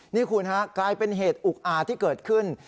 นี่คุณฮะกลายเป็นเหตุอุกอาจที่เกิดขึ้น